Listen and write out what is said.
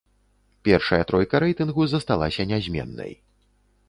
Першая тройка рэйтынгу засталася нязменнай.